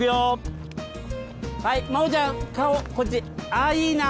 あいいな。